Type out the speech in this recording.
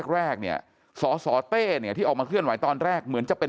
แรกเนี่ยสสเต้เนี่ยที่ออกมาเคลื่อนไหวตอนแรกเหมือนจะเป็น